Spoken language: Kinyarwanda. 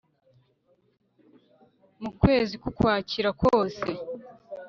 mu kwezi kw'ukwakira kose,